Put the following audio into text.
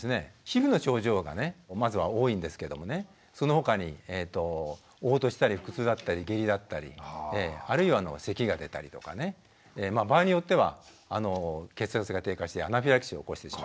皮膚の症状がねまずは多いんですけどもねそのほかにおう吐したり腹痛だったり下痢だったりあるいはせきが出たりとかね場合によっては血圧が低下してアナフィラキシーを起こしてしまうとか。